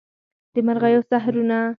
د مرغیو سحرونه